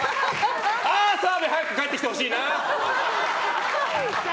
ああ、澤部早く帰ってきてほしいな！